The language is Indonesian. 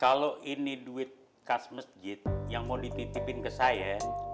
kalau ini duit khas masjid yang mau dititipin ke saya